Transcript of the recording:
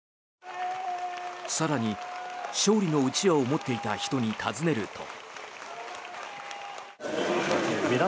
更に、勝利のうちわを持っていた人に尋ねると。